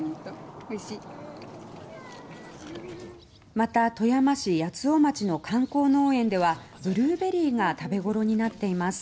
また、富山市八尾町の観光農園ではブルーベリーが食べごろになっています。